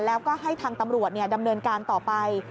แล้วก็ให้ทางตำรวจดำเนินการต่อไป